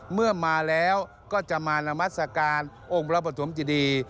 เมื่อมาแล้วก็จะมานามัศกาลองค์พระปฐมเจดี